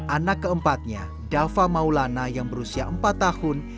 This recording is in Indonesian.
anak keempatnya dava maulana yang berusia empat tahun